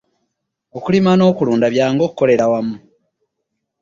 Okulima n'okulunda byangu kukolera wamu.